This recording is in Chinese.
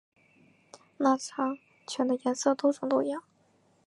腊肠犬的颜色多种多样。